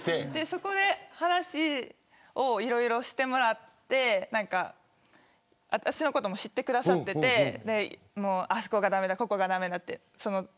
そこで話をいろいろしてもらって私のことも知ってくださっていてあそこが駄目だここが駄目だって。